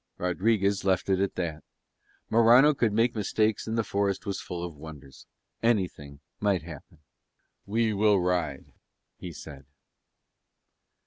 Rodriguez left it at that. Morano could make mistakes and the forest was full of wonders: anything might happen. "We will ride," he said.